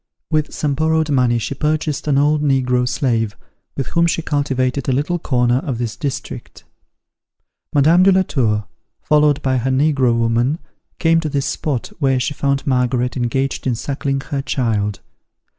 With some borrowed money she purchased an old negro slave, with whom she cultivated a little corner of this district. Madame de la Tour, followed by her negro woman, came to this spot, where she found Margaret engaged in suckling her child.